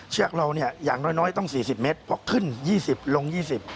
เชือกเราเนี่ยอย่างน้อยต้อง๔๐เมตรเพราะขึ้น๒๐ลง๒๐